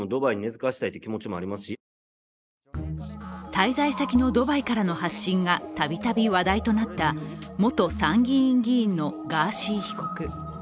滞在先のドバイからの発信が度々話題となった元参議院議員のガーシー被告。